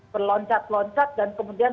berloncat loncat dan kemudian